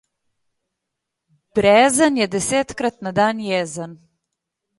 Brezen je desetkrat na dan jezen.